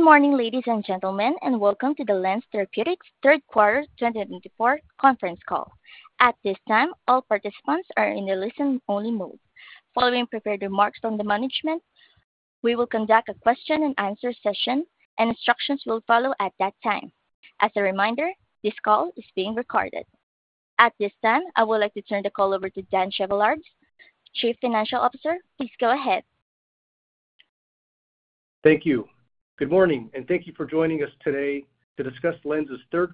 Good morning, ladies and gentlemen, and welcome to the LENZ Therapeutics Q3 2024 Conference Call. At this time, all participants are in the listen-only mode. Following prepared remarks from the management, we will conduct a question-and-answer session, and instructions will follow at that time. As a reminder, this call is being recorded. At this time, I would like to turn the call over to Dan Chevallard, CFO. Please go ahead. Thank you. Good morning, and thank you for joining us today to discuss LENZ's Q3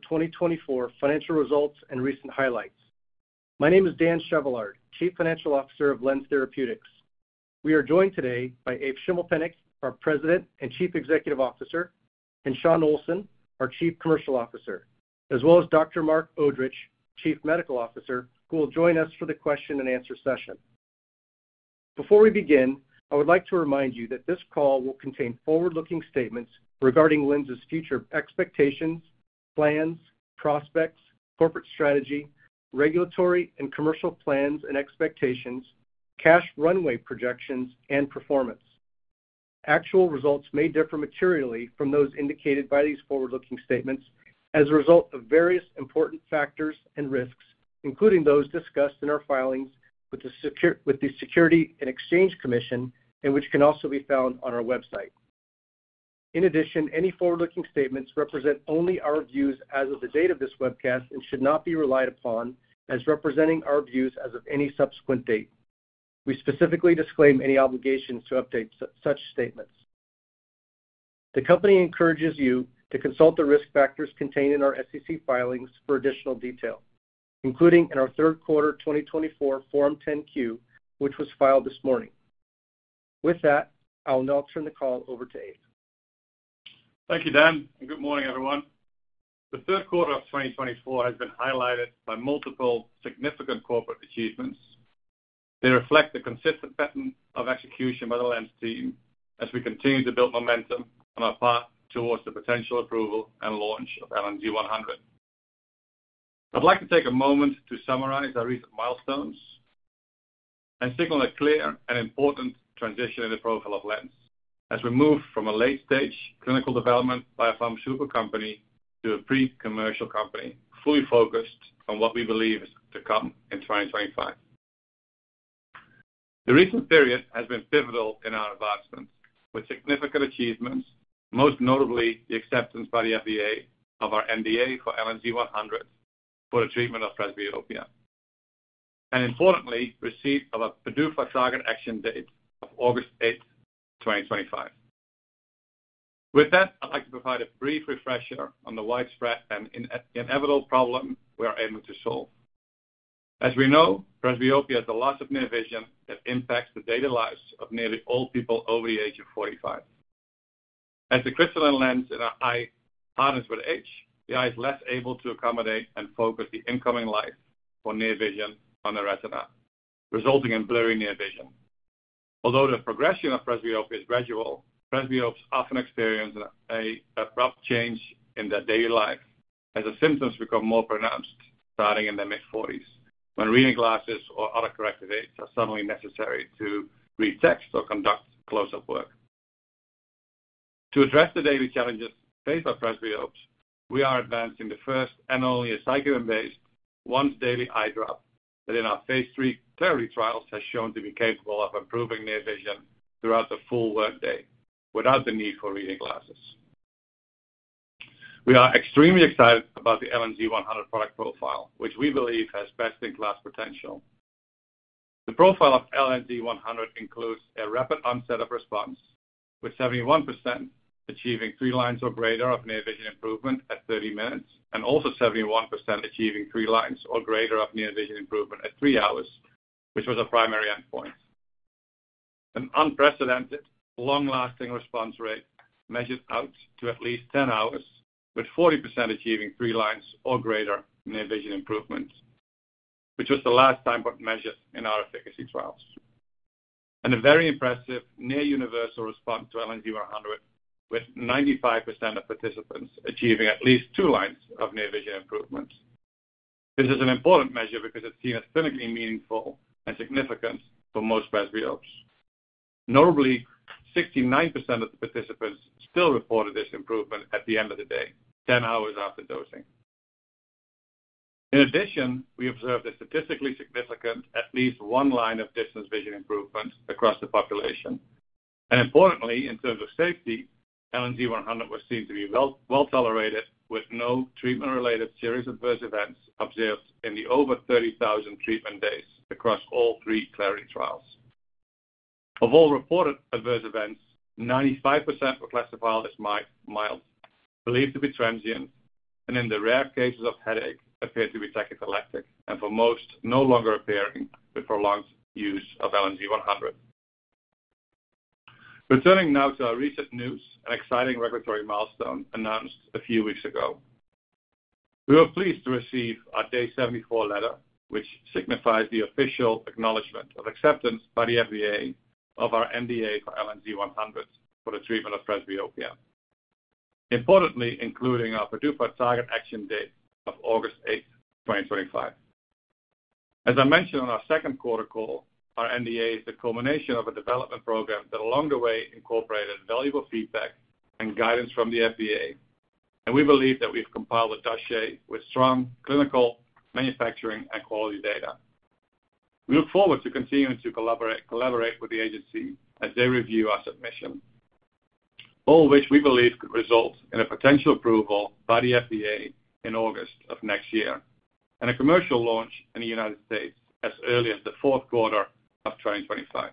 2024 Financial Results and Recent Highlights. My name is Dan Chevallard, CFO of LENZ Therapeutics. We are joined today by Efe Schimmelpennink, our President and CEO, and Shawn Olsson, our CCO, as well as Dr. Marc Odrich, CMO, who will join us for the question-and-answer session. Before we begin, I would like to remind you that this call will contain forward-looking statements regarding LENZ's future expectations, plans, prospects, corporate strategy, regulatory and commercial plans and expectations, cash runway projections, and performance. Actual results may differ materially from those indicated by these forward-looking statements as a result of various important factors and risks, including those discussed in our filings with the Securities and Exchange Commission, which can also be found on our website. In addition, any forward-looking statements represent only our views as of the date of this webcast and should not be relied upon as representing our views as of any subsequent date. We specifically disclaim any obligations to update such statements. The company encourages you to consult the risk factors contained in our SEC filings for additional detail, including in our Q3 2024 Form 10-Q, which was filed this morning. With that, I will now turn the call over to Efe. Thank you, Dan, and good morning, everyone. The Q3 of 2024 has been highlighted by multiple significant corporate achievements. They reflect the consistent pattern of execution by the LENZ team as we continue to build momentum on our path towards the potential approval and launch of LNZ100. I'd like to take a moment to summarize our recent milestones and signal a clear and important transition in the profile of LENZ as we move from a late-stage clinical development biopharmaceutical company to a pre-commercial company fully focused on what we believe is to come in 2025. The recent period has been pivotal in our advancements, with significant achievements, most notably the acceptance by the FDA of our NDA for LNZ100 for the treatment of presbyopia, and importantly, receipt of a PDUFA target action date of August 8, 2025. With that, I'd like to provide a brief refresher on the widespread and inevitable problem we are aiming to solve. As we know, presbyopia is a loss of near vision that impacts the daily lives of nearly all people over the age of 45. As the crystalline lens in our eye hardens with age, the eye is less able to accommodate and focus the incoming light for near vision on the retina, resulting in blurry near vision. Although the progression of presbyopia is gradual, presbyopes often experience an abrupt change in their daily life as the symptoms become more pronounced starting in their mid-40s, when reading glasses or other corrective aids are suddenly necessary to read text or conduct close-up work. To address the daily challenges faced by presbyopes, we are advancing the first and only aceclidine-based once-daily eye drop that, in our phase III CLARITY trials, has shown to be capable of improving near vision throughout the full workday without the need for reading glasses. We are extremely excited about the LNZ100 product profile, which we believe has best-in-class potential. The profile of LNZ100 includes a rapid onset of response, with 71% achieving three lines or greater of near vision improvement at 30 minutes, and also 71% achieving three lines or greater of near vision improvement at three hours, which was our primary endpoint. An unprecedented, long-lasting response rate measured out to at least 10 hours, with 40% achieving three lines or greater near vision improvement, which was the last time but measured in our efficacy trials. And a very impressive near-universal response to LNZ100, with 95% of participants achieving at least two lines of near vision improvement. This is an important measure because it's seen as clinically meaningful and significant for most presbyopes. Notably, 69% of the participants still reported this improvement at the end of the day, 10 hours after dosing. In addition, we observed a statistically significant at least one line of distance vision improvement across the population. And importantly, in terms of safety, LNZ100 was seen to be well tolerated, with no treatment-related serious adverse events observed in the over 30,000 treatment days across all three CLARITY trials. Of all reported adverse events, 95% were classified as mild, believed to be transient, and in the rare cases of headache, appeared to be tachyphylactic, and for most, no longer appearing with prolonged use of LNZ100. Returning now to our recent news, an exciting regulatory milestone announced a few weeks ago. We were pleased to receive our Day 74 letter, which signifies the official acknowledgment of acceptance by the FDA of our NDA for LNZ100 for the treatment of presbyopia, importantly including our PDUFA target action date of August 8th, 2025. As I mentioned on our Q2 call, our NDA is the culmination of a development program that, along the way, incorporated valuable feedback and guidance from the FDA, and we believe that we've compiled a dossier with strong clinical, manufacturing, and quality data. We look forward to continuing to collaborate with the agency as they review our submission, all of which we believe could result in a potential approval by the FDA in August of next year and a commercial launch in the United States as early as the Q4 of 2025.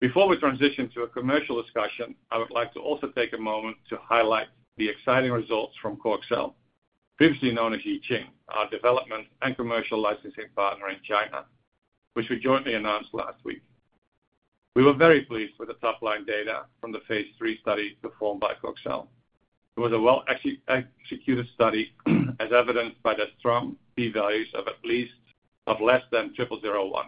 Before we transition to a commercial discussion, I would like to also take a moment to highlight the exciting results from CORXEL, previously known as JIXING, our development and commercial licensing partner in China, which we jointly announced last week. We were very pleased with the top-line data from the phase III study performed by CORXEL. It was a well-executed study, as evidenced by the strong p-values of less than 0.0001.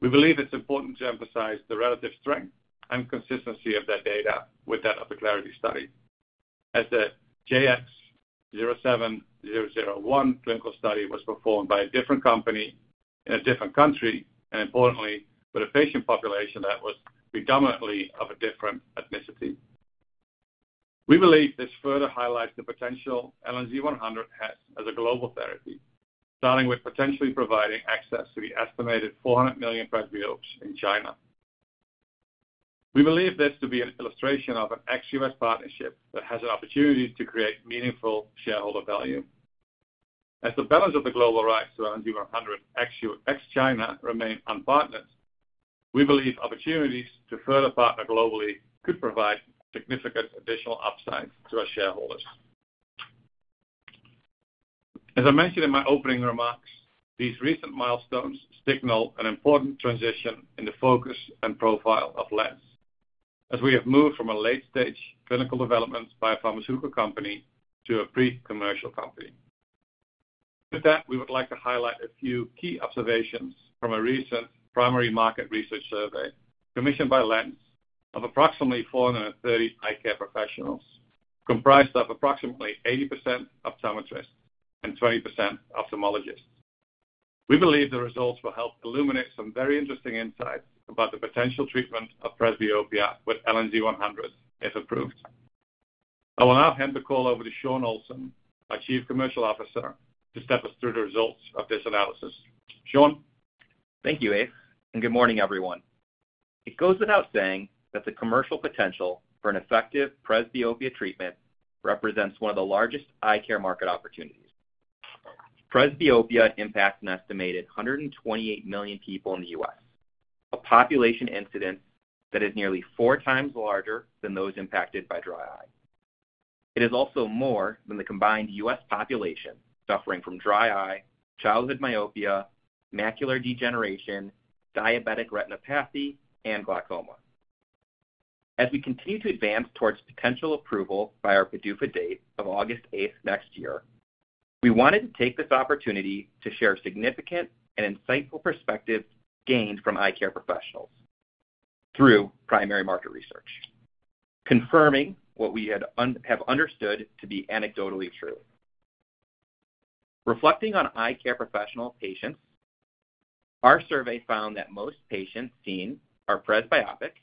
We believe it's important to emphasize the relative strength and consistency of that data with that of the CLARITY study, as the JX07001 clinical study was performed by a different company in a different country and, importantly, with a patient population that was predominantly of a different ethnicity. We believe this further highlights the potential LNZ100 has as a global therapy, starting with potentially providing access to the estimated 400 million presbyopes in China. We believe this to be an illustration of an ex-U.S. partnership that has an opportunity to create meaningful shareholder value. As the balance of the global rights to LNZ100 ex-China remains unpartnered, we believe opportunities to further partner globally could provide significant additional upsides to our shareholders. As I mentioned in my opening remarks, these recent milestones signal an important transition in the focus and profile of LENZ, as we have moved from a late-stage clinical development biopharmaceutical company to a pre-commercial company. With that, we would like to highlight a few key observations from a recent primary market research survey commissioned by LENZ of approximately 430 eye care professionals, comprised of approximately 80% optometrists and 20% ophthalmologists. We believe the results will help illuminate some very interesting insights about the potential treatment of presbyopia with LNZ100 if approved. I will now hand the call over to Shawn Olsson, our CCO to step us through the results of this analysis. Shawn. Thank you, Efe, and good morning, everyone. It goes without saying that the commercial potential for an effective presbyopia treatment represents one of the largest eye care market opportunities. Presbyopia impacts an estimated 128 million people in the U.S., a population incidence that is nearly four times larger than those impacted by dry eye. It is also more than the combined U.S. population suffering from dry eye, childhood myopia, macular degeneration, diabetic retinopathy, and glaucoma. As we continue to advance towards potential approval by our PDUFA date of August 8 next year, we wanted to take this opportunity to share significant and insightful perspectives gained from eye care professionals through primary market research, confirming what we have understood to be anecdotally true. Reflecting on eye care professional patients, our survey found that most patients seen are presbyopic,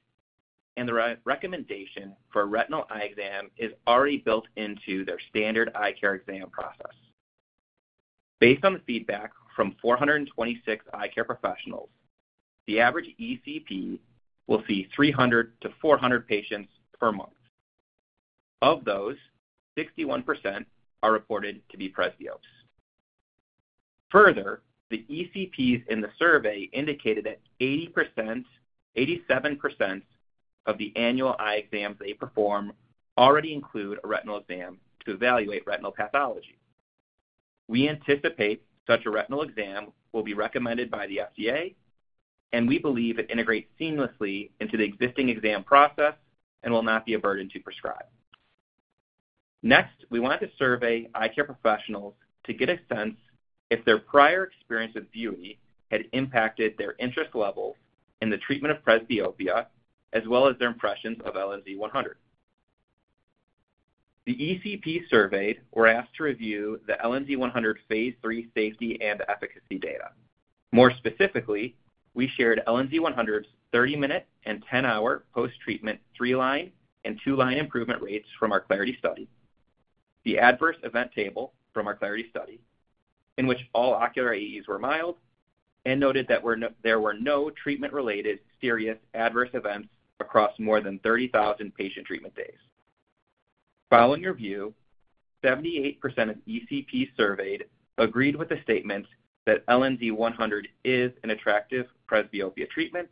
and the recommendation for a retinal eye exam is already built into their standard eye care exam process. Based on the feedback from 426 eye care professionals, the average ECP will see 300 patients-400 patients per month. Of those, 61% are reported to be presbyopes. Further, the ECPs in the survey indicated that 87% of the annual eye exams they perform already include a retinal exam to evaluate retinal pathology. We anticipate such a retinal exam will be recommended by the FDA, and we believe it integrates seamlessly into the existing exam process and will not be a burden to prescribe. Next, we wanted to survey eye care professionals to get a sense if their prior experience with VUITY had impacted their interest levels in the treatment of presbyopia, as well as their impressions of LNZ100. The ECPs surveyed were asked to review the LNZ100 phase III safety and efficacy data. More specifically, we shared LNZ100's 30-minute and 10-hour post-treatment three-line and two-line improvement rates from our CLARITY study, the adverse event table from our CLARITY study, in which all ocular AEs were mild and noted that there were no treatment-related serious adverse events across more than 30,000 patient treatment days. Following review, 78% of ECPs surveyed agreed with the statement that LNZ100 is an attractive presbyopia treatment,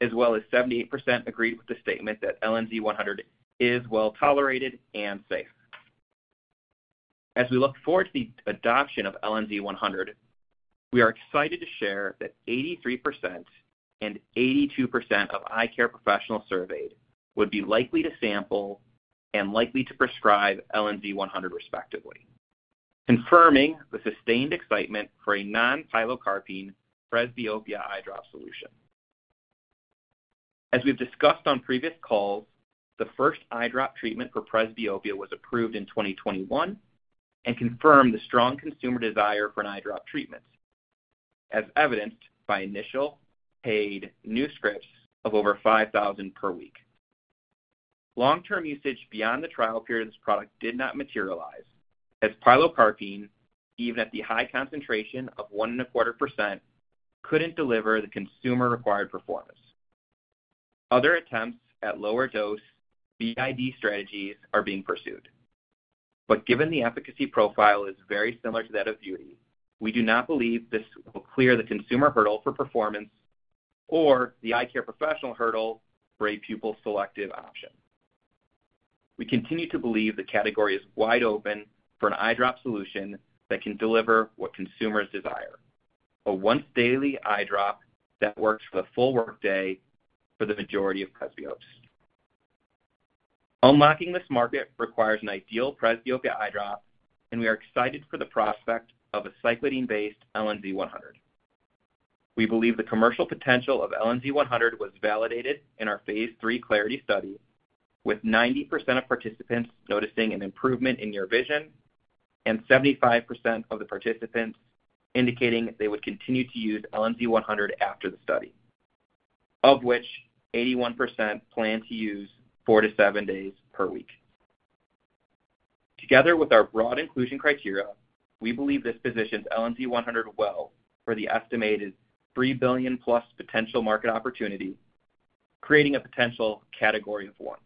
as well as 78% agreed with the statement that LNZ100 is well tolerated and safe. As we look forward to the adoption of LNZ100, we are excited to share that 83% and 82% of eye care professionals surveyed would be likely to sample and likely to prescribe LNZ100, respectively, confirming the sustained excitement for a non-pilocarpine presbyopia eye drop solution. As we've discussed on previous calls, the first eye drop treatment for presbyopia was approved in 2021 and confirmed the strong consumer desire for an eye drop treatment, as evidenced by initial paid new scripts of over 5,000 per week. Long-term usage beyond the trial period of this product did not materialize, as pilocarpine, even at the high concentration of 1.25%, couldn't deliver the consumer-required performance. Other attempts at lower-dose BID strategies are being pursued, but given the efficacy profile is very similar to that of VUITY, we do not believe this will clear the consumer hurdle for performance or the eye care professional hurdle for a pupil-selective option. We continue to believe the category is wide open for an eye drop solution that can deliver what consumers desire: a once-daily eye drop that works for the full workday for the majority of presbyopes. Unlocking this market requires an ideal presbyopia eye drop, and we are excited for the prospect of an aceclidine-based LNZ100. We believe the commercial potential of LNZ100 was validated in our phase III CLARITY study, with 90% of participants noticing an improvement in near vision and 75% of the participants indicating they would continue to use LNZ100 after the study, of which 81% plan to use four to seven days per week. Together with our broad inclusion criteria, we believe this positions LNZ100 well for the estimated $3 billion+ potential market opportunity, creating a potential category 1.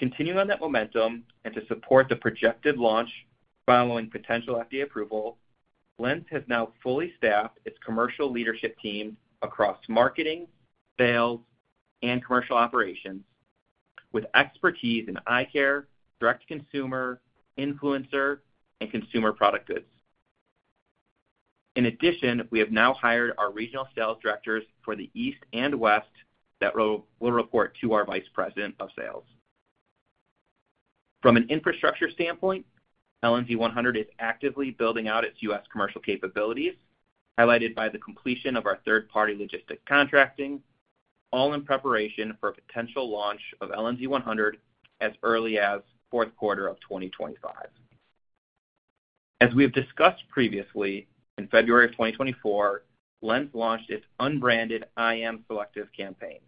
Continuing on that momentum and to support the projected launch following potential FDA approval, LENZ has now fully staffed its commercial leadership team across marketing, sales, and commercial operations with expertise in eye care, direct-to-consumer, influencer, and consumer product goods. In addition, we have now hired our regional sales directors for the East and West that will report to our VP of Sales. From an infrastructure standpoint, LNZ100 is actively building out its U.S. commercial capabilities, highlighted by the completion of our third-party logistics contracting, all in preparation for a potential launch of LNZ100 as early as Q4 of 2025. As we have discussed previously, in February of 2024, LENZ launched its unbranded I Am Selective campaign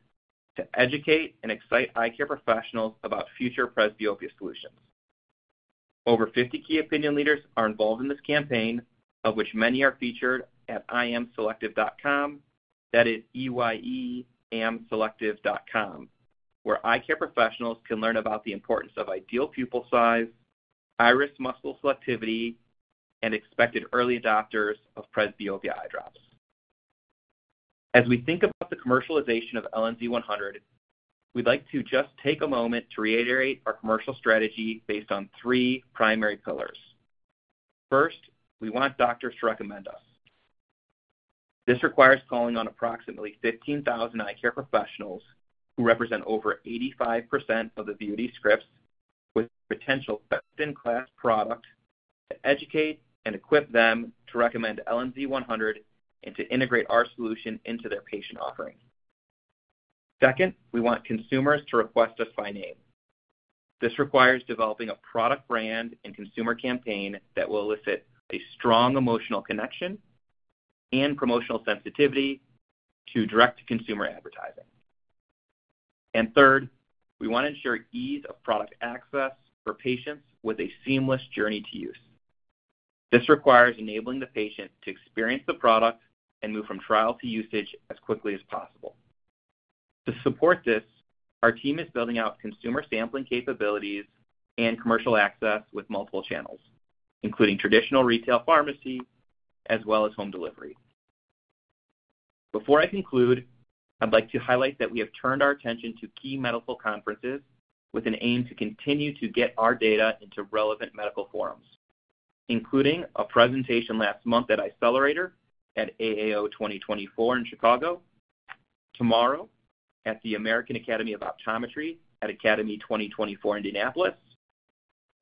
to educate and excite eye care professionals about future presbyopia solutions. Over 50 key opinion leaders are involved in this campaign, of which many are featured at iamselective.com. That is eyeamselective.com, where eye care professionals can learn about the importance of ideal pupil size, iris muscle selectivity, and expected early adopters of presbyopia eye drops. As we think about the commercialization of LNZ100, we'd like to just take a moment to reiterate our commercial strategy based on three primary pillars. First, we want doctors to recommend us. This requires calling on approximately 15,000 eye care professionals who represent over 85% of the VUITY scripts with potential best-in-class product to educate and equip them to recommend LNZ100 and to integrate our solution into their patient offering. Second, we want consumers to request us by name. This requires developing a product brand and consumer campaign that will elicit a strong emotional connection and promotional sensitivity to direct-to-consumer advertising. Third, we want to ensure ease of product access for patients with a seamless journey to use. This requires enabling the patient to experience the product and move from trial to usage as quickly as possible. To support this, our team is building out consumer sampling capabilities and commercial access with multiple channels, including traditional retail pharmacy as well as home delivery. Before I conclude, I'd like to highlight that we have turned our attention to key medical conferences with an aim to continue to get our data into relevant medical forums, including a presentation last month at Eyecelerator at AAO 2024 in Chicago, tomorrow at the American Academy of Optometry at Academy 2024 in Indianapolis,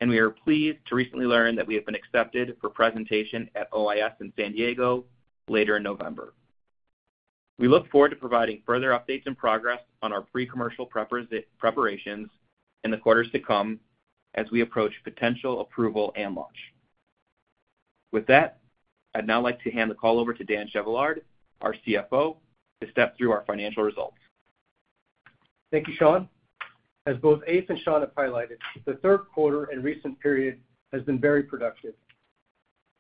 and we are pleased to recently learn that we have been accepted for presentation at OIS in San Diego later in November. We look forward to providing further updates and progress on our pre-commercial preparations in the quarters to come as we approach potential approval and launch. With that, I'd now like to hand the call over to Dan Chevallard, our CFO, to step through our financial results. Thank you, Shawn. As both Efe and Shawn have highlighted, the Q3 and recent period has been very productive.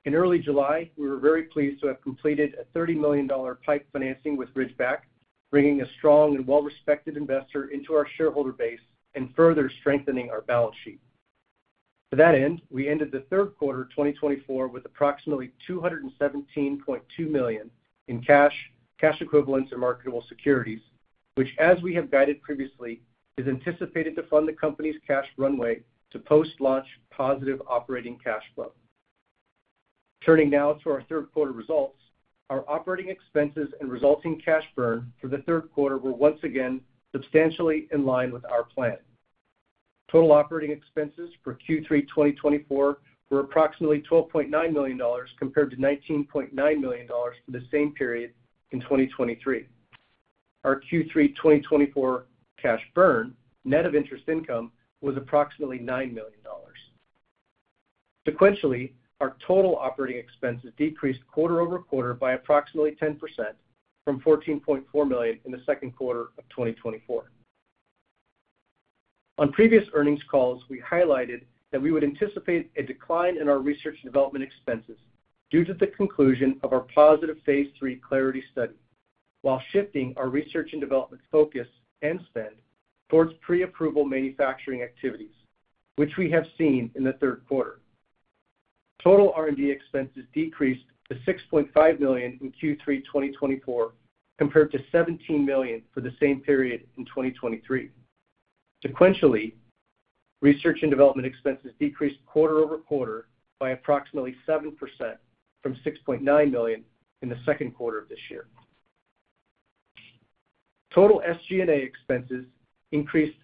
In early July, we were very pleased to have completed a $30 million PIPE financing with Ridgeback, bringing a strong and well-respected investor into our shareholder base and further strengthening our balance sheet. To that end, we ended the Q3 of 2024 with approximately $217.2 million in cash, cash equivalents, and marketable securities, which, as we have guided previously, is anticipated to fund the company's cash runway to post-launch positive operating cash flow. Turning now to our Q3 results, our operating expenses and resulting cash burn for the Q3 were once again substantially in line with our plan. Total operating expenses for Q3 2024 were approximately $12.9 million compared to $19.9 million for the same period in 2023. Our Q3 2024 cash burn net of interest income was approximately $9 million. Sequentially, our total operating expenses decreased quarter-over-quarter by approximately 10% from $14.4 million in the Q2 of 2024. On previous earnings calls, we highlighted that we would anticipate a decline in our research and development expenses due to the conclusion of our positive phase III CLARITY study, while shifting our research and development focus and spend towards pre-approval manufacturing activities, which we have seen in the Q3. Total R&D expenses decreased to $6.5 million in Q3 2024 compared to $17 million for the same period in 2023. Sequentially, research and development expenses decreased quarter-over-quarter by approximately 7% from $6.9 million in the Q2 of this year. Total SG&A expenses increased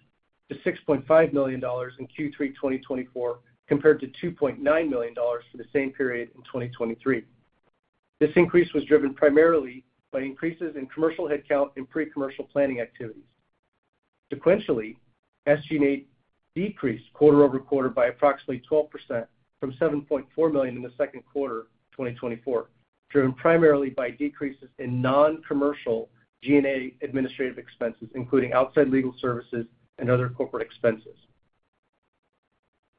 to $6.5 million in Q3 2024 compared to $2.9 million for the same period in 2023. This increase was driven primarily by increases in commercial headcount and pre-commercial planning activities. Sequentially, SG&A decreased quarter-over-quarter by approximately 12% from $7.4 million in the Q2 of 2024, driven primarily by decreases in non-commercial G&A administrative expenses, including outside legal services and other corporate expenses.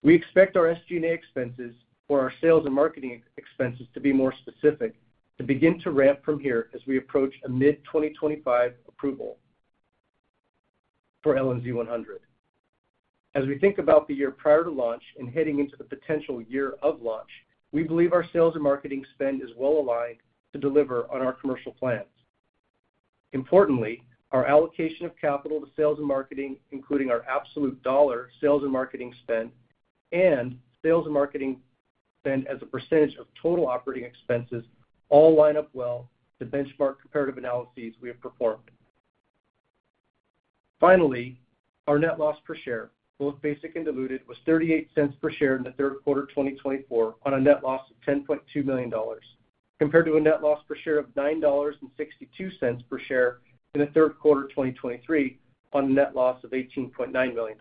We expect our SG&A expenses or our sales and marketing expenses to be more specific to begin to ramp from here as we approach a mid-2025 approval for LNZ100. As we think about the year prior to launch and heading into the potential year of launch, we believe our sales and marketing spend is well aligned to deliver on our commercial plans. Importantly, our allocation of capital to sales and marketing, including our absolute dollar sales and marketing spend and sales and marketing spend as a percentage of total operating expenses, all line up well to benchmark comparative analyses we have performed. Finally, our net loss per share, both basic and diluted, was $0.38 per share in the Q3 of 2024 on a net loss of $10.2 million, compared to a net loss per share of $9.62 per share in the Q3 of 2023 on a net loss of $18.9 million.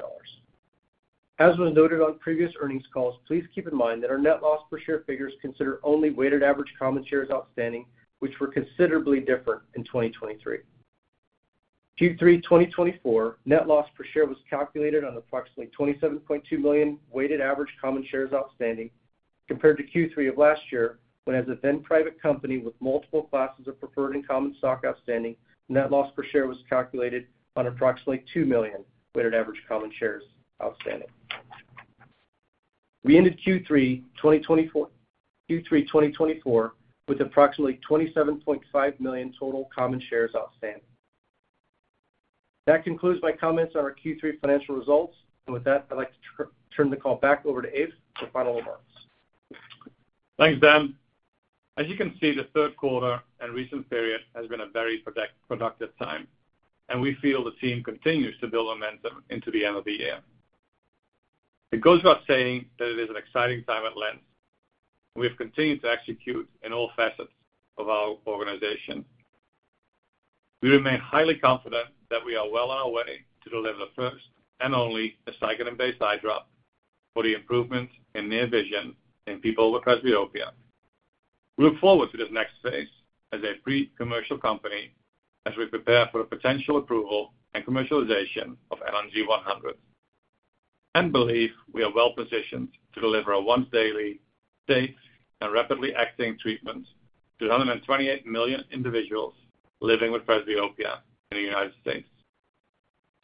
As was noted on previous earnings calls, please keep in mind that our net loss per share figures consider only weighted average common shares outstanding, which were considerably different in 2023. Q3 2024 net loss per share was calculated on approximately $27.2 million weighted average common shares outstanding, compared to Q3 of last year when, as a then-private company with multiple classes of preferred and common stock outstanding, net loss per share was calculated on approximately 2 million weighted average common shares outstanding. We ended Q3 2024 with approximately 27.5 million total common shares outstanding. That concludes my comments on our Q3 financial results, and with that, I'd like to turn the call back over to Efe for final remarks. Thanks, Dan. As you can see, the Q3 and recent period has been a very productive time, and we feel the team continues to build momentum into the end of the year. It goes without saying that it is an exciting time at LENZ. We have continued to execute in all facets of our organization. We remain highly confident that we are well on our way to deliver the first and only aceclidine-based eye drop for the improvement in near vision in people with presbyopia. We look forward to this next phase as a pre-commercial company as we prepare for the potential approval and commercialization of LNZ100 and believe we are well positioned to deliver a once-daily, safe, and rapidly acting treatment to 128 million individuals living with presbyopia in the United States.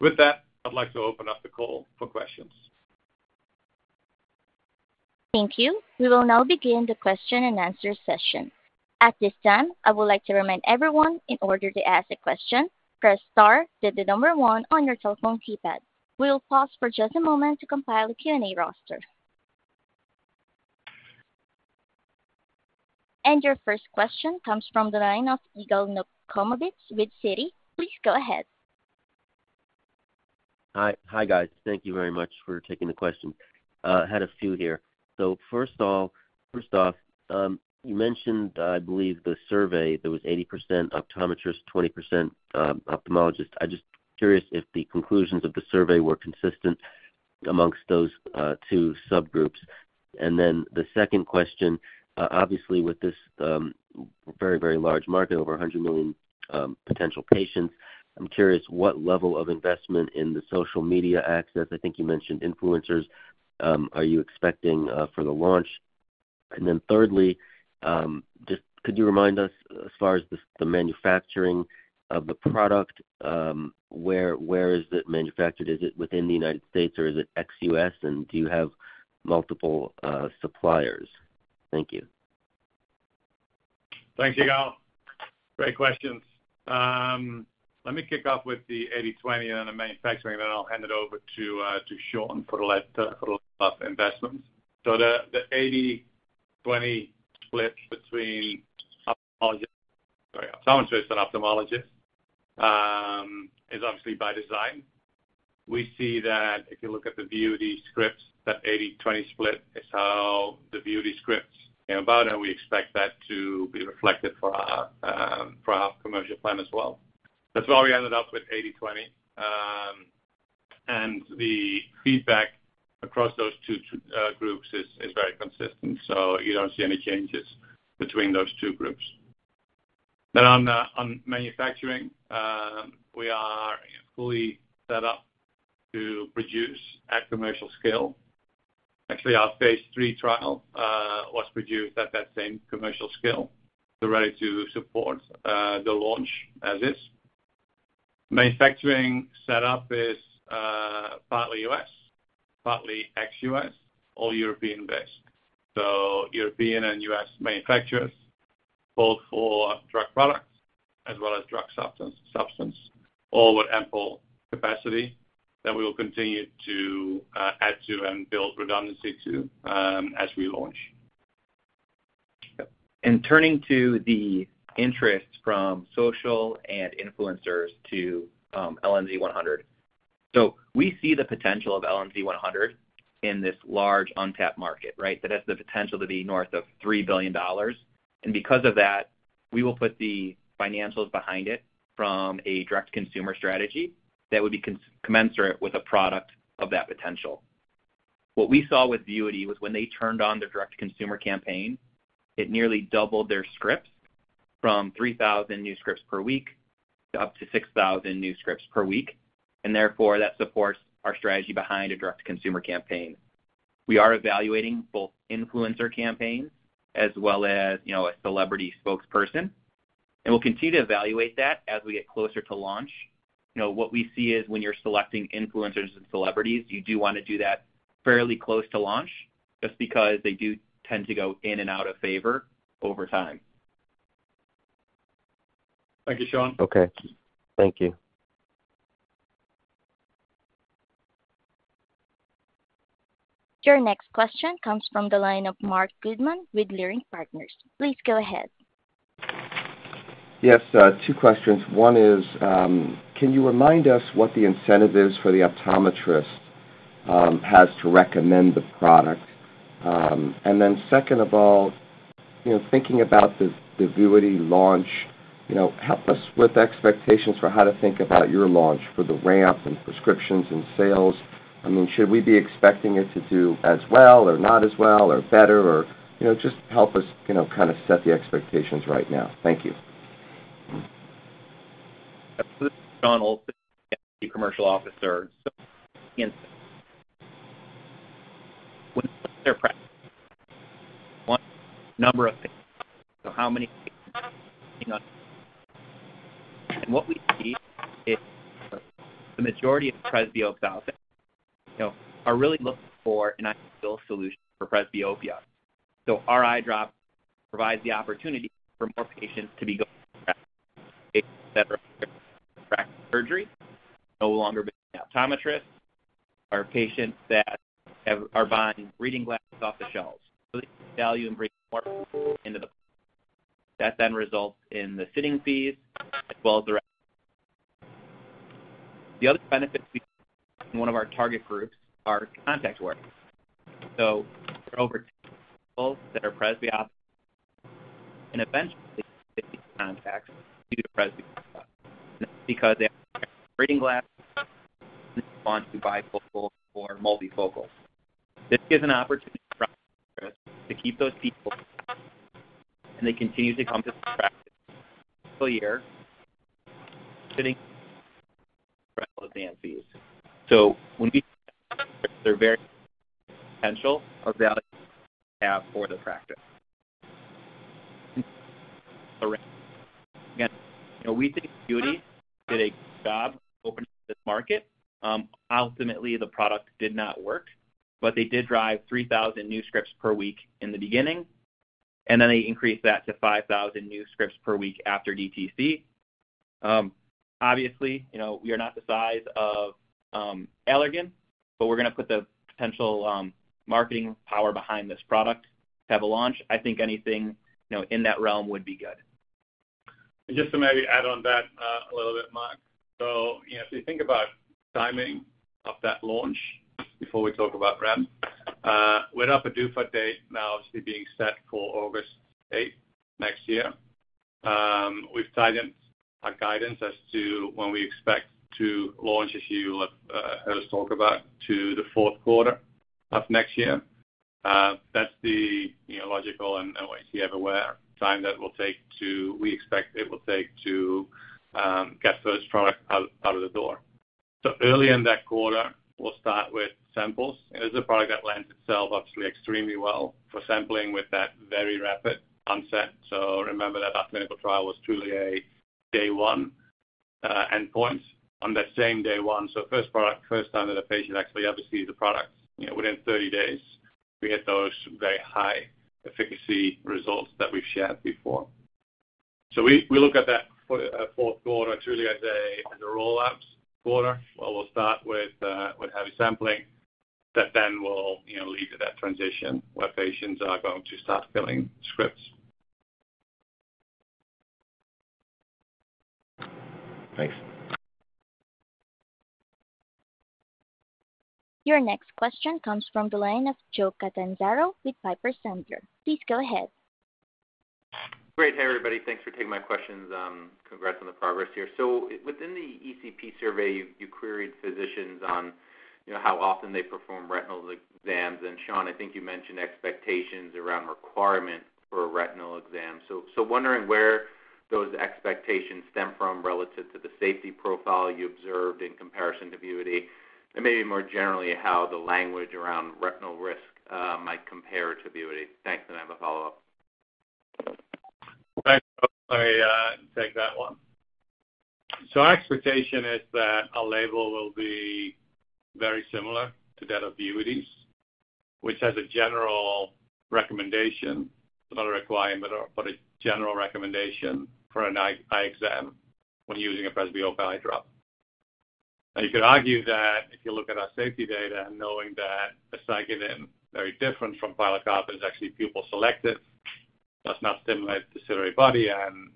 With that, I'd like to open up the call for questions. Thank you. We will now begin the question-and-answer session. At this time, I would like to remind everyone, in order to ask a question, press star to the number one on your telephone keypad. We will pause for just a moment to compile a Q&A roster. And your first question comes from the line of Yigal Nochomovitz with Citi. Please go ahead. Hi, guys. Thank you very much for taking the question. I had a few here. So first off, you mentioned, I believe, the survey that was 80% optometrist, 20% ophthalmologist. I'm just curious if the conclusions of the survey were consistent amongst those two subgroups. And then the second question, obviously, with this very, very large market, over 100 million potential patients, I'm curious what level of investment in the social media access, I think you mentioned influencers, are you expecting for the launch? And then thirdly, just could you remind us, as far as the manufacturing of the product, where is it manufactured? Is it within the United States, or is it ex-U.S., and do you have multiple suppliers? Thank you. Thanks, Yigal. Great questions. Let me kick off with the 80/20 and the manufacturing, and then I'll hand it over to Shawn for the investments, so the 80/20 split between ophthalmologists and optometrists is obviously by design. We see that if you look at the VUITY scripts, that 80/20 split is how the VUITY scripts came about, and we expect that to be reflected for our commercial plan as well. That's why we ended up with 80/20, and the feedback across those two groups is very consistent, so you don't see any changes between those two groups, then on manufacturing, we are fully set up to produce at commercial scale. Actually, our phase III trial was produced at that same commercial scale that's ready to support the launch as is. Manufacturing setup is partly U.S., partly ex-U.S., all European-based. So European and U.S. manufacturers, both for drug products as well as drug substance, all with ample capacity that we will continue to add to and build redundancy to as we launch. Turning to the interest from social and influencers to LNZ100. So we see the potential of LNZ100 in this large untapped market, right? That has the potential to be north of $3 billion. And because of that, we will put the financials behind it from a direct-to-consumer strategy that would be commensurate with a product of that potential. What we saw with VUITY was when they turned on their direct-to-consumer campaign, it nearly doubled their scripts from 3,000 new scripts per week to up to 6,000 new scripts per week. And therefore, that supports our strategy behind a direct-to-consumer campaign. We are evaluating both influencer campaigns as well as a celebrity spokesperson. And we'll continue to evaluate that as we get closer to launch. What we see is when you're selecting influencers and celebrities, you do want to do that fairly close to launch just because they do tend to go in and out of favor over time. Thank you, Shawn. Okay. Thank you. Your next question comes from the line of Marc Goodman with Leerink Partners. Please go ahead. Yes, two questions. One is, can you remind us what the incentive is for the optometrist has to recommend the product? And then second of all, thinking about the VUITY launch, help us with expectations for how to think about your launch for the ramp and prescriptions and sales. I mean, should we be expecting it to do as well or not as well or better or just help us kind of set the expectations right now? Thank you. This is Shawn Olsson, the CCO. So when we look at their practice, a number of things, so how many patients are being seen. And what we see is the majority of presbyopia patients are really looking for an ideal solution for presbyopia. So our eye drop provides the opportunity for more patients to be going to the practice surgery, no longer seeing optometrists, or patients that are buying reading glasses off the shelves. So they value and bring more into the practice. That then results in the visit fees as well as the rest. The other benefits we see in one of our target groups are contact wearers. So there are over 10 million people that are presbyopic and eventually they need contacts due to presbyopia because they have to wear reading glasses and they want to buy bifocals or multifocals. This gives an opportunity for optometrists to keep those people, and they continue to come to the practice. For yearly fitting glasses and fees. So when we see that, there's very potential or value to have for the practice. Again, we think VUITY did a good job opening up this market. Ultimately, the product did not work, but they did drive 3,000 new scripts per week in the beginning, and then they increased that to 5,000 new scripts per week after DTC. Obviously, we are not the size of Allergan, but we're going to put the potential marketing power behind this product to have a launch. I think anything in that realm would be good. Just to maybe add on that a little bit, Marc. So if you think about timing of that launch before we talk about ramp, we're on a PDUFA date now, obviously being set for August 8th next year. We've tied in our guidance as to when we expect to launch, as you heard us talk about, to the Q4 of next year. That's the logical and wait-and-see window of time that we expect it will take to get the first product out of the door. So early in that quarter, we'll start with samples. It is a product that lends itself, obviously, extremely well for sampling with that very rapid onset. So remember that our clinical trial was truly a day-one endpoint on that same day-one. So first product, first time that a patient actually ever sees the product. Within 30 days, we hit those very high efficacy results that we've shared before, so we look at that Q4 truly as a rollout quarter where we'll start with heavy sampling that then will lead to that transition where patients are going to start filling scripts. Thanks. Your next question comes from the line of Joe Catanzaro with Piper Sandler. Please go ahead. Great. Hey, everybody. Thanks for taking my questions. Congrats on the progress here. So within the ECP survey, you queried physicians on how often they perform retinal exams. And Shawn, I think you mentioned expectations around requirement for retinal exams. So wondering where those expectations stem from relative to the safety profile you observed in comparison to VUITY and maybe more generally how the language around retinal risk might compare to VUITY? Thanks, and I have a follow-up. Thanks. I'll take that one. So our expectation is that our label will be very similar to that of VUITY, which has a general recommendation, not a requirement, but a general recommendation for an eye exam when using a presbyopia eye drop. Now, you could argue that if you look at our safety data and knowing that aceclidine-based very different from pilocarpine is actually pupil-selective, does not stimulate the ciliary body. And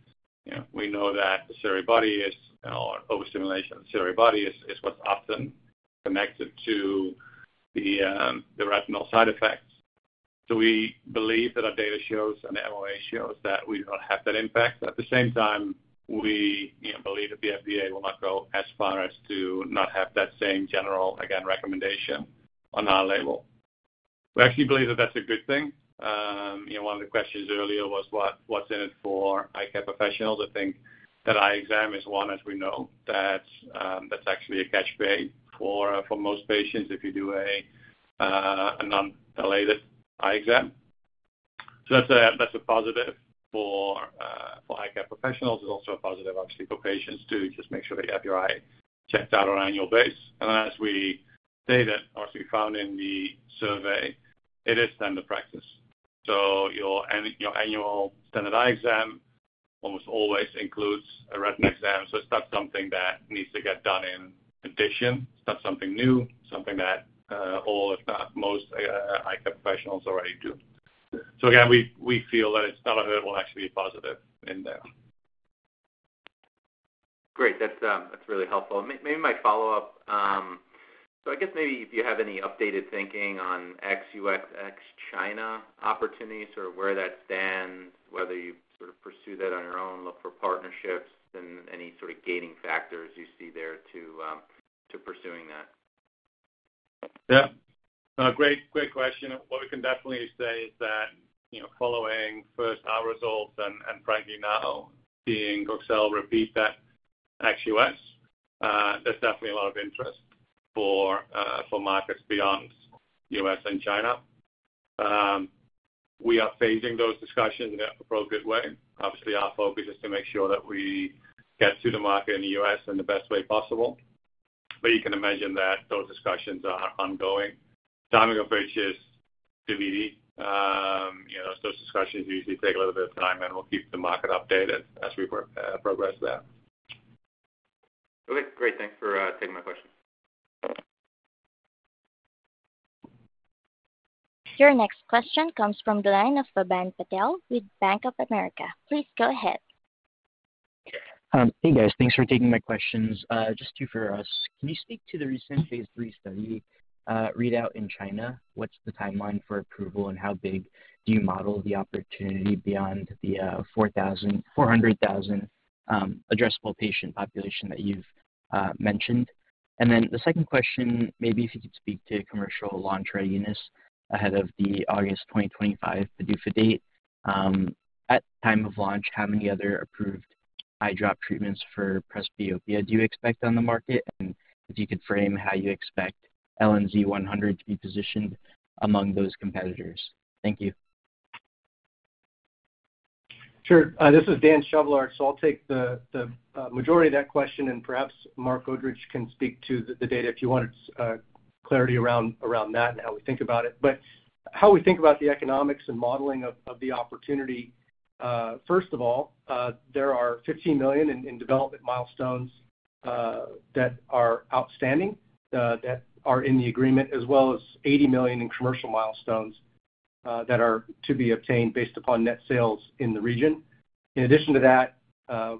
we know that the ciliary body is or overstimulation of the ciliary body is what's often connected to the retinal side effects. So we believe that our data shows and the MOA shows that we do not have that impact. At the same time, we believe that the FDA will not go as far as to not have that same general, again, recommendation on our label. We actually believe that that's a good thing. One of the questions earlier was, what's in it for eye care professionals? I think that eye exam is one, as we know, that's actually a catch-22 for most patients if you do a non-dilated eye exam. So that's a positive for eye care professionals. It's also a positive, obviously, for patients to just make sure that you have your eye checked out on an annual basis. And then as we stated, or as we found in the survey, it is standard practice. So your annual standard eye exam almost always includes a retinal exam. So it's not something that needs to get done in addition. It's not something new, something that all, if not most, eye care professionals already do. So again, we feel that it's not a hurdle, actually a positive in there. Great. That's really helpful. Maybe my follow-up. So I guess maybe if you have any updated thinking on ex-U.S., ex-China opportunities or where that stands, whether you sort of pursue that on your own, look for partnerships, and any sort of gating factors you see there to pursuing that? Yeah. Great question. What we can definitely say is that following first our results and frankly now seeing Excel repeat that ex-U.S., there's definitely a lot of interest for markets beyond U.S. and China. We are phasing those discussions in an appropriate way. Obviously, our focus is to make sure that we get to the market in the U.S. in the best way possible. But you can imagine that those discussions are ongoing. Timing of partnerships, TBD, those discussions usually take a little bit of time, and we'll keep the market updated as we progress there. Okay. Great. Thanks for taking my question. Your next question comes from the line of Pavan Patel with Bank of America. Please go ahead. Hey, guys. Thanks for taking my questions. Just two for us. Can you speak to the recent phase III study readout in China? What's the timeline for approval, and how big do you model the opportunity beyond the 400,000 addressable patient population that you've mentioned? And then the second question, maybe if you could speak to commercial launch readiness ahead of the August 2025 PDUFA date. At time of launch, how many other approved eye drop treatments for presbyopia do you expect on the market? And if you could frame how you expect LNZ100 to be positioned among those competitors. Thank you. Sure. This is Dan Chevallard. So I'll take the majority of that question, and perhaps Marc Odrich can speak to the data if you wanted clarity around that and how we think about it. But how we think about the economics and modeling of the opportunity, first of all, there are $15 million in development milestones that are outstanding that are in the agreement, as well as $80 million in commercial milestones that are to be obtained based upon net sales in the region. In addition to that,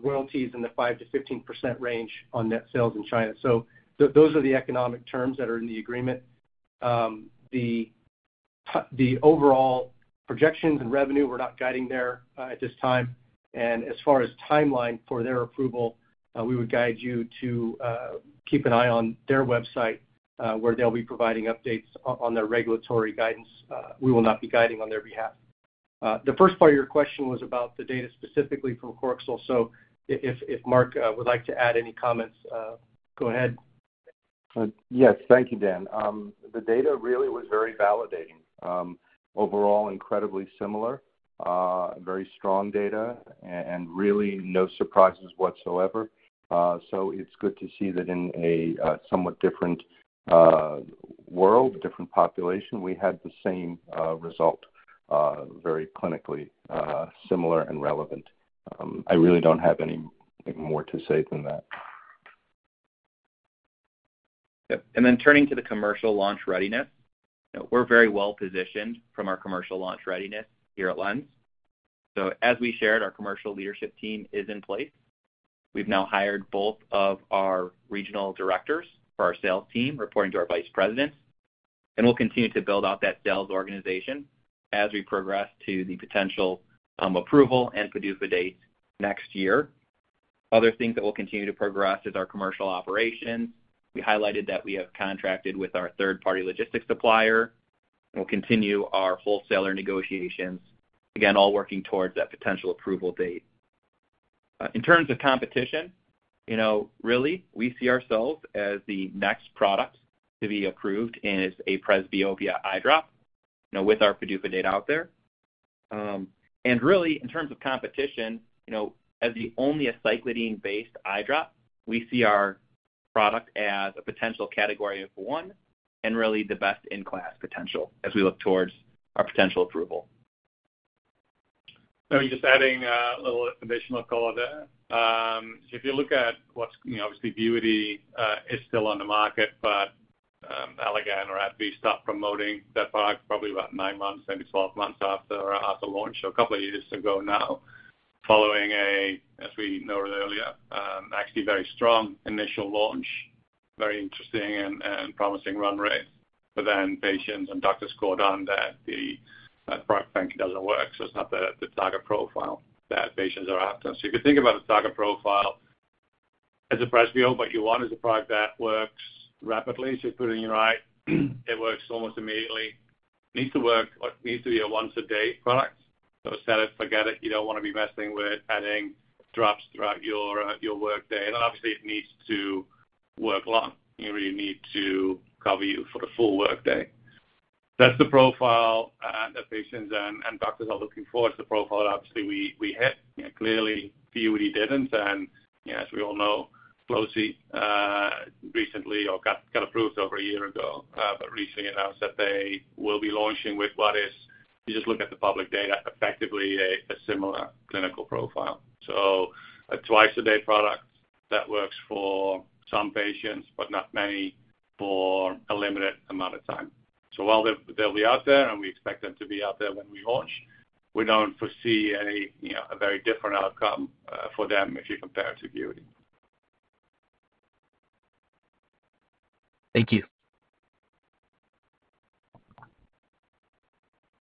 royalties in the 5%-15% range on net sales in China. So those are the economic terms that are in the agreement. The overall projections and revenue, we're not guiding there at this time. And as far as the timeline for their approval, we would guide you to keep an eye on their website where they'll be providing updates on their regulatory guidance. We will not be guiding on their behalf. The first part of your question was about the data specifically from CLARITY. So if Marc would like to add any comments, go ahead. Yes. Thank you, Dan. The data really was very validating. Overall, incredibly similar, very strong data, and really no surprises whatsoever. So it's good to see that in a somewhat different world, different population, we had the same result, very clinically similar and relevant. I really don't have anything more to say than that. Yep. And then turning to the commercial launch readiness, we're very well positioned from our commercial launch readiness here at LENZ. So as we shared, our Commercial leadership team is in place. We've now hired both of our regional directors for our sales team reporting to our VPs. And we'll continue to build out that sales organization as we progress to the potential approval and PDUFA date next year. Other things that will continue to progress is our Commercial Operations. We highlighted that we have contracted with our third-party logistics supplier. We'll continue our wholesaler negotiations, again, all working towards that potential approval date. In terms of competition, really, we see ourselves as the next product to be approved in a presbyopia eye drop with our PDUFA date out there. Really, in terms of competition, as the only aceclidine-based eye drop, we see our product as a potential category of one and really the best-in-class potential as we look towards our potential approval. I was just adding a little additional thought there. If you look at what's obviously VUITY is still on the market, but Allergan or AbbVie stopped promoting that product probably about nine months, maybe 12 months after launch, so a couple of years ago now, following a, as we noted earlier, actually very strong initial launch, very interesting and promising run rate, but then patients and doctors called on that the product frankly doesn't work. So it's not the target profile that patients are after. So if you think about the target profile as a presbyopia, what you want is a product that works rapidly. So you're putting it right. It works almost immediately. Needs to work. Needs to be a once-a-day product. So set it, forget it. You don't want to be messing with adding drops throughout your workday, and then obviously, it needs to work long. You really need to cover you for the full workday. That's the profile that patients and doctors are looking for. It's the profile that obviously we hit. Clearly, VUITY didn't, and as we all know, Qlosi recently got approved over a year ago, but recently announced that they will be launching with what is, you just look at the public data, effectively a similar clinical profile, so a twice-a-day product that works for some patients, but not many for a limited amount of time, so while they'll be out there and we expect them to be out there when we launch, we don't foresee a very different outcome for them if you compare it to VUITY. Thank you.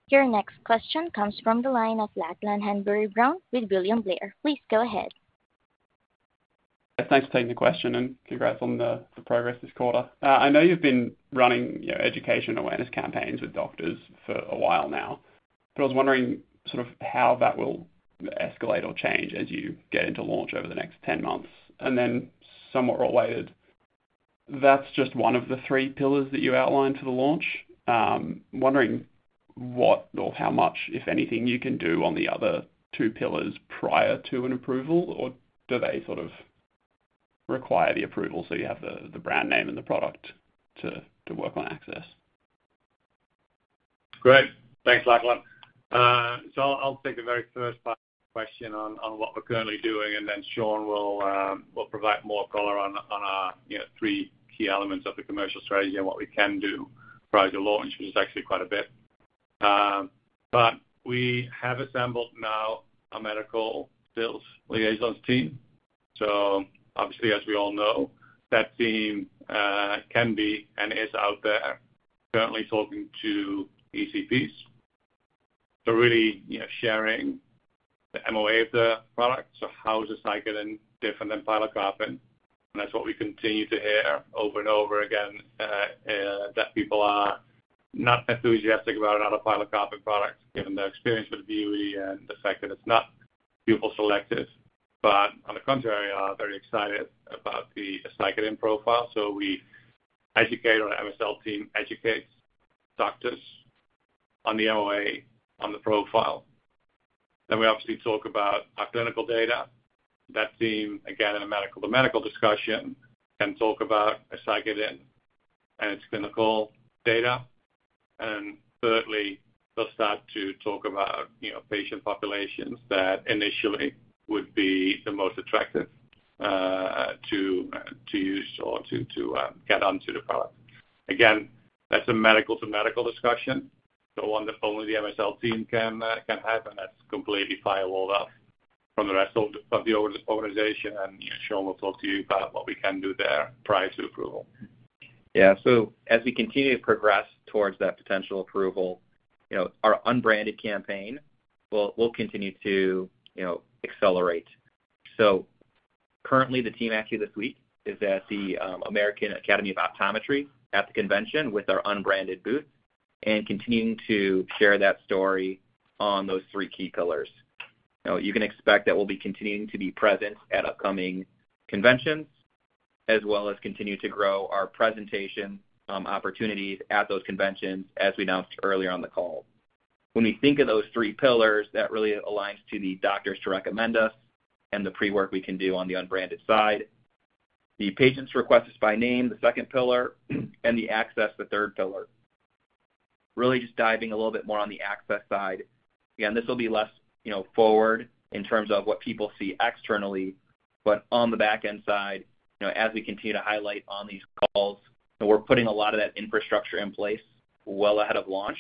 Your next question comes from the line of Lachlan Hanbury-Brown with William Blair. Please go ahead. Thanks for taking the question and congrats on the progress this quarter. I know you've been running education awareness campaigns with doctors for a while now, but I was wondering sort of how that will escalate or change as you get into launch over the next 10 months. And then somewhat related, that's just one of the three pillars that you outlined for the launch. Wondering what or how much, if anything, you can do on the other two pillars prior to an approval, or do they sort of require the approval so you have the brand name and the product to work on access? Great. Thanks, Lachlan. So I'll take the very first part of the question on what we're currently doing, and then Shawn will provide more color on our three key elements of the commercial strategy and what we can do prior to launch, which is actually quite a bit. But we have assembled now a medical science liaison team. So obviously, as we all know, that team can be and is out there currently talking to ECPs. So really sharing the MOA of the product. So how is aceclidine different than pilocarpine? And that's what we continue to hear over and over again, that people are not enthusiastic about another pilocarpine product given their experience with VUITY and the fact that it's not pupil-selective. But on the contrary, very excited about the aceclidine profile. So our MSL team educates doctors on the MOA, on the profile. Then we obviously talk about our clinical data. That team, again, in a medical-to-medical discussion, can talk about aceclidine and its clinical data. And thirdly, they'll start to talk about patient populations that initially would be the most attractive to use or to get onto the product. Again, that's a medical-to-medical discussion. The one that only the MSL team can have, and that's completely firewalled up from the rest of the organization. And Shawn will talk to you about what we can do there prior to approval. Yeah. So as we continue to progress towards that potential approval, our unbranded campaign will continue to accelerate. So currently, the team actually this week is at the American Academy of Optometry at the convention with our unbranded booth and continuing to share that story on those three key pillars. You can expect that we'll be continuing to be present at upcoming conventions as well as continue to grow our presentation opportunities at those conventions as we announced earlier on the call. When we think of those three pillars that really aligns to the doctors to recommend us and the pre-work we can do on the unbranded side, the patients' requests by name, the second pillar, and the access, the third pillar. Really just diving a little bit more on the access side. Again, this will be less forward in terms of what people see externally, but on the back end side, as we continue to highlight on these calls, we're putting a lot of that infrastructure in place well ahead of launch.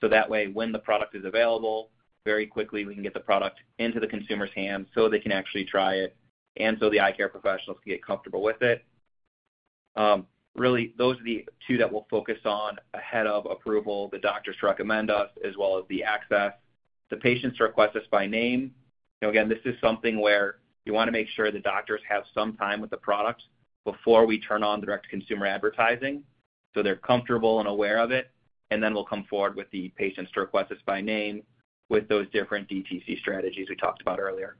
So that way, when the product is available, very quickly we can get the product into the consumer's hands so they can actually try it and so the eye care professionals can get comfortable with it. Really, those are the two that we'll focus on ahead of approval, the doctors to recommend us as well as the access. The patients request us by name. Again, this is something where we want to make sure the doctors have some time with the product before we turn on direct consumer advertising so they're comfortable and aware of it. And then we'll come forward with the patients to request us by name with those different DTC strategies we talked about earlier.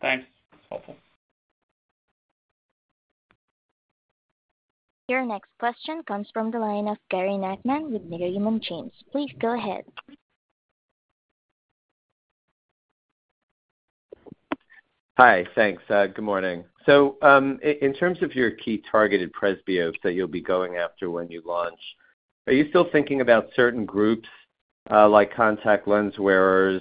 Thanks. That's helpful. Your next question comes from the line of Gary Nachman with Raymond James. Please go ahead. Hi. Thanks. Good morning. So in terms of your key targeted presbyopes that you'll be going after when you launch, are you still thinking about certain groups like contact lens wearers,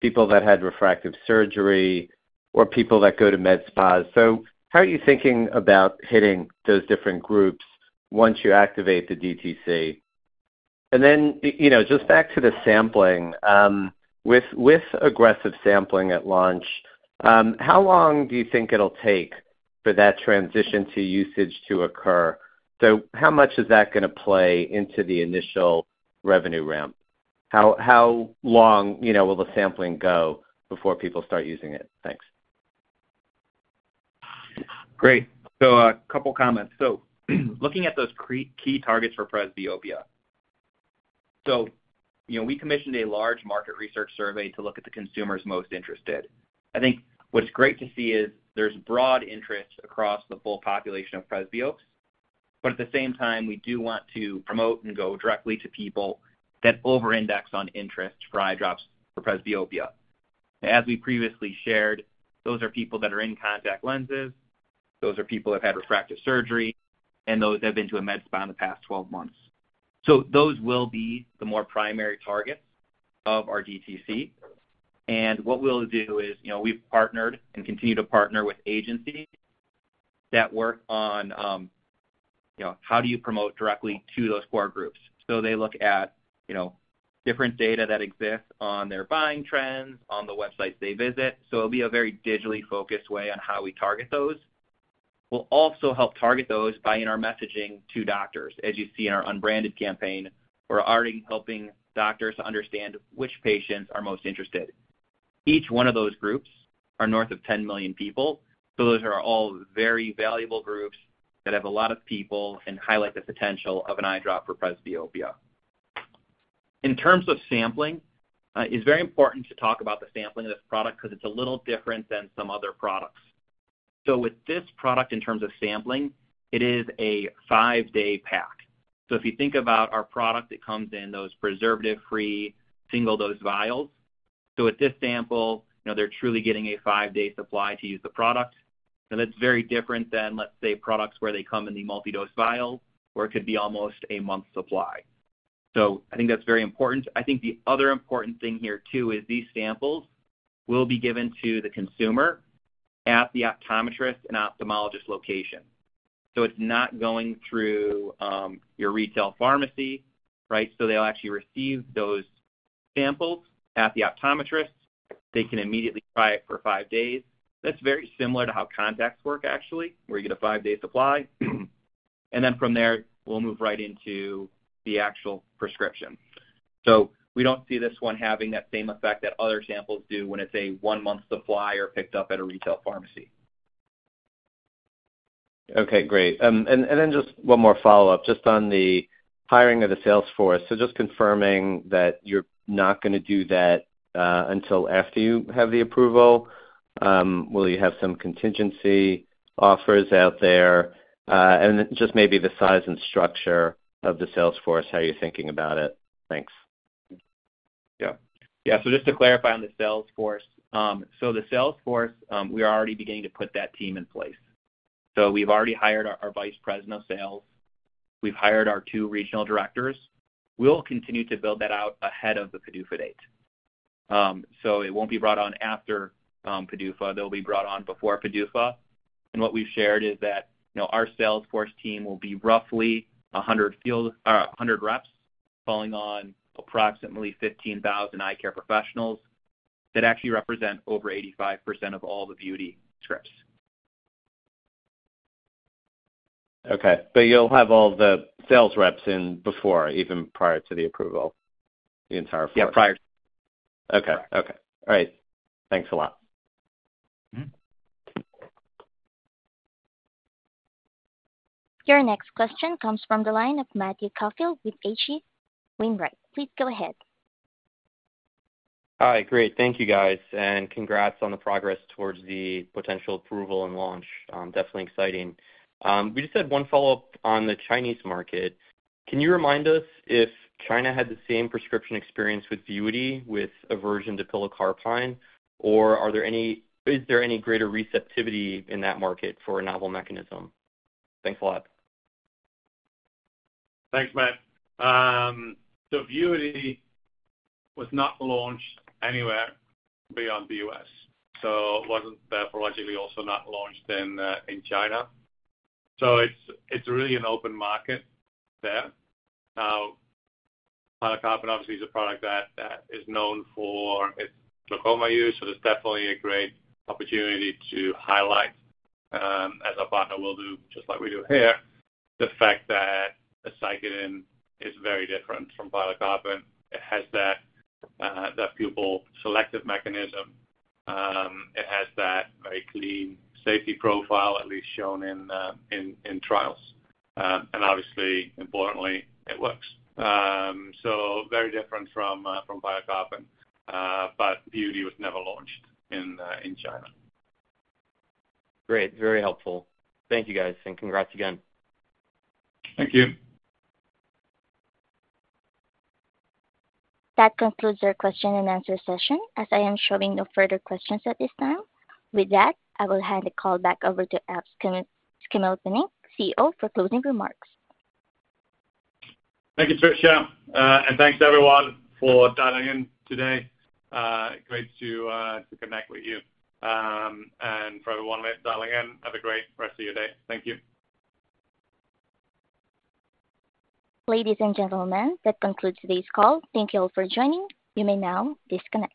people that had refractive surgery, or people that go to med spas? So how are you thinking about hitting those different groups once you activate the DTC? And then just back to the sampling. With aggressive sampling at launch, how long do you think it'll take for that transition to usage to occur? So how much is that going to play into the initial revenue ramp? How long will the sampling go before people start using it? Thanks. Great. So a couple of comments. So looking at those key targets for presbyopia, so we commissioned a large market research survey to look at the consumers most interested. I think what's great to see is there's broad interest across the full population of presbyopes. But at the same time, we do want to promote and go directly to people that over-index on interest for eye drops for presbyopia. As we previously shared, those are people that are in contact lenses. Those are people that have had refractive surgery and those that have been to a med spa in the past 12 months. So those will be the more primary targets of our DTC. And what we'll do is we've partnered and continue to partner with agencies that work on how do you promote directly to those core groups. So they look at different data that exists on their buying trends on the websites they visit. So it'll be a very digitally focused way on how we target those. We'll also help target those by in our messaging to doctors. As you see in our unbranded campaign, we're already helping doctors to understand which patients are most interested. Each one of those groups are north of 10 million people. So those are all very valuable groups that have a lot of people and highlight the potential of an eye drop for presbyopia. In terms of sampling, it's very important to talk about the sampling of this product because it's a little different than some other products. So with this product in terms of sampling, it is a five-day pack. So if you think about our product, it comes in those preservative-free single-dose vials. So with this sample, they're truly getting a five-day supply to use the product. And that's very different than, let's say, products where they come in the multi-dose vials where it could be almost a month's supply. So I think that's very important. I think the other important thing here too is these samples will be given to the consumer at the optometrist and ophthalmologist location. So it's not going through your retail pharmacy, right? So they'll actually receive those samples at the optometrist. They can immediately try it for five days. That's very similar to how contacts work, actually, where you get a five-day supply. And then from there, we'll move right into the actual prescription. So we don't see this one having that same effect that other samples do when it's a one-month supply or picked up at a retail pharmacy. Okay. Great. And then just one more follow-up just on the hiring of the sales force. So just confirming that you're not going to do that until after you have the approval. Will you have some contingency offers out there? And just maybe the size and structure of the sales force, how you're thinking about it. Thanks. Yeah. Yeah. So just to clarify on the sales force, so the sales force, we are already beginning to put that team in place. So we've already hired our VP of Sales. We've hired our two regional directors. We'll continue to build that out ahead of the PDUFA date. So it won't be brought on after PDUFA. They'll be brought on before PDUFA. And what we've shared is that our sales force team will be roughly 100 reps calling on approximately 15,000 eye care professionals that actually represent over 85% of all the VUITY scripts. Okay. But you'll have all the sales reps in before even prior to the approval, the entire force? Yeah. Prior. Okay. All right. Thanks a lot. Your next question comes from the line of Matthew Caufield with HC Wainwright. Please go ahead. Hi. Great. Thank you, guys. And congrats on the progress towards the potential approval and launch. Definitely exciting. We just had one follow-up on the Chinese market. Can you remind us if China had the same prescription experience with VUITY with a version of pilocarpine, or is there any greater receptivity in that market for a novel mechanism? Thanks a lot. Thanks, Matt. So VUITY was not launched anywhere beyond the U.S. So it wasn't therefore logically also not launched in China. So it's really an open market there. Now, pilocarpine obviously is a product that is known for its glaucoma use. So there's definitely a great opportunity to highlight, as our partner will do, just like we do here, the fact that aceclidine is very different from pilocarpine. It has that pupil-selective mechanism. It has that very clean safety profile, at least shown in trials. And obviously, importantly, it works. So very different from pilocarpine, but VUITY was never launched in China. Great. Very helpful. Thank you, guys. And congrats again. Thank you. That concludes our question-and-answer session as I am showing no further questions at this time. With that, I will hand the call back over to Efe Schimmelpennink, CEO, for closing remarks. Thank you, Trisha. And thanks to everyone for dialing in today. Great to connect with you. And for everyone dialing in, have a great rest of your day. Thank you. Ladies and gentlemen, that concludes today's call. Thank you all for joining. You may now disconnect.